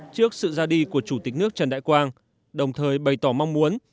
trước sự ra đi của chủ tịch nước trần đại quang đồng thời bày tỏ mong muốn